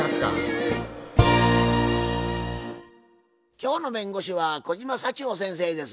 今日の弁護士は小島幸保先生です。